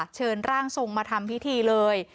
เชิญร่างทรงมาทำพิธีเลย